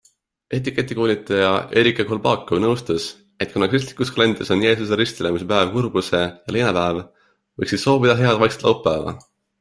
Etiketikoolitaja Erika Kolbakov nõustus, et kuna kristlikus kalendris on Jeesuse ristilöömise päev kurbuse ja leina päev, võiks siis soovida head vaikset laupäeva.